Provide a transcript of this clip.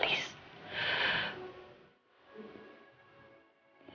aku ingin tahu